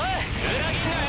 裏切んなよ。